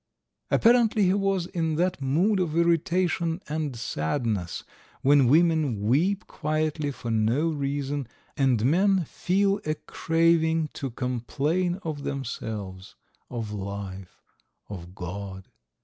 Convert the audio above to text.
Apparently he was in that mood of irritation and sadness when women weep quietly for no reason, and men feel a craving to complain of themselves, of life, of God.